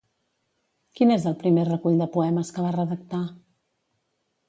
Quin és el primer recull de poemes que va redactar?